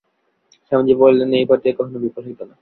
স্বামীজী বলিলেন, এই উপায়টি কখনও বিফল হইত না।